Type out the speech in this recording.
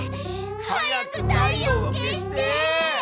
早く太陽を消して！